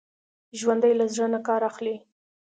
ژوندي له زړه نه کار اخلي